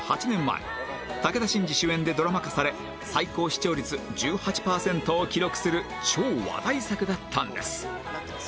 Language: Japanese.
前武田真治主演でドラマ化され最高視聴率１８パーセントを記録する超話題作だったんです